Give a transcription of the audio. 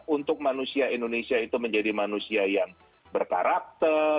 untuk manusia indonesia itu menjadi manusia yang berkarakter